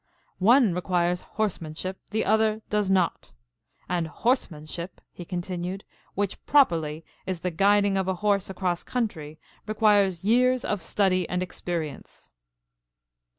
One requires horsemanship, the other does not. And horsemanship," he continued, "which properly is the guiding of a horse across country, requires years of study and experience."